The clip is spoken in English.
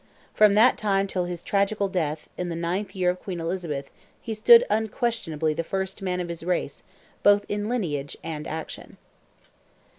From that time till his tragical death, in the ninth year of Queen Elizabeth, he stood unquestionably the first man of his race, both in lineage and action.